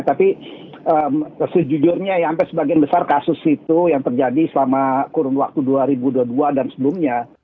tapi sejujurnya sampai sebagian besar kasus itu yang terjadi selama kurun waktu dua ribu dua puluh dua dan sebelumnya